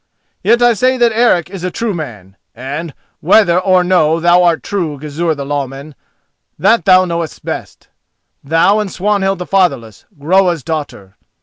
Yet I say that Eric is a true man, and, whether or no thou art true, Gizur the Lawman, that thou knowest best—thou and Swanhild the Fatherless, Groa's daughter.